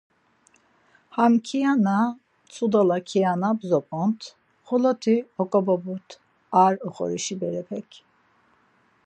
Ham ǩiana, Mtsudala ǩiana bzopont, xolot̆i oǩoboburt ar oxorişi berepek.